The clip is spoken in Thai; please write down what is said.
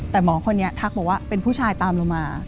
แต่หมอคนนี้ทักบอกว่าเป็นผู้ชายตามเรามา